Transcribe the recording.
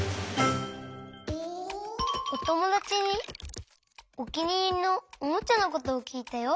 おともだちにおきにいりのおもちゃのことをきいたよ。